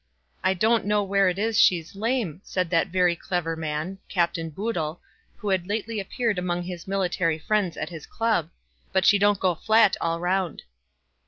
"I don't know where it is she's lame," said that very clever man, Captain Boodle, who had lately reappeared among his military friends at his club, "but she don't go flat all round."